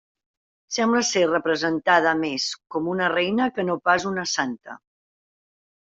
Sembla ser representada més com una reina que no pas una santa.